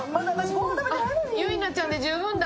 ゆいなちゃんで十分だ、